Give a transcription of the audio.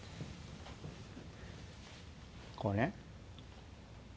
こうね。